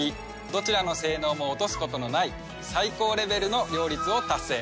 どちらの性能も落とすことのない最高レベルの両立を達成。